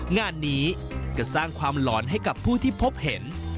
งานนี้จะสร้างความหลอนให้กับผู้ที่พบเห็น